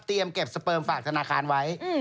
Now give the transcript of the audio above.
เตรียมเก็บสเปิร์มฝากธนาคารไว้